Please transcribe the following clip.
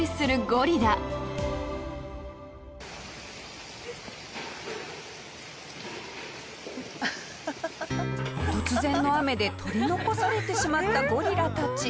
ゴリラ下平：突然の雨で取り残されてしまったゴリラたち。